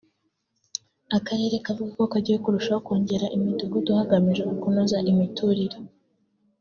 Akarere kavuga ko kagiye kurushaho kongera imidugudu hagamijwe kunoza imiturire